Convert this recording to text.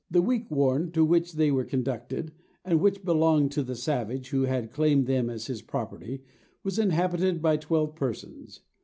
The weekwarm to which they were conducted, and which belonged to the savage who had claimed them as his property, was inhabited by twelve persons.